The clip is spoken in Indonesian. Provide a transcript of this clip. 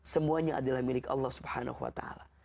semuanya adalah milik allah subhanahu wa ta'ala